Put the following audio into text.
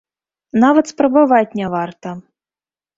Нават спрабаваць не варта.